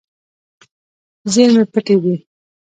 زیرمې پټې دي.